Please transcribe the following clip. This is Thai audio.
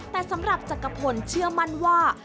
แต่สำหรับจักรพลเชื่อมั่นว่า